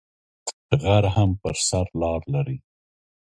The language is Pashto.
غر هم پر سر لار لری